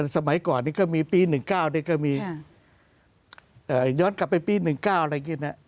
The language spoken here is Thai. สมัยก่อนก็มีปี๑๙ย้อนกลับไปปี๑๙อะไรกี้นะ